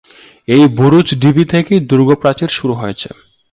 এই বুরুজ ঢিবি থেকেই দুর্গ প্রাচীর শুরু হয়েছে।